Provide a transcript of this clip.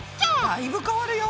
だいぶ変わるよ。